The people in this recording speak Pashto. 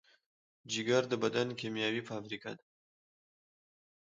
جگر د بدن کیمیاوي فابریکه ده.